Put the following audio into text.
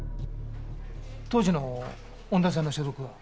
当時の恩田さんの所属は？